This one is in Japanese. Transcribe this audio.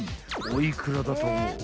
お幾らだと思う？］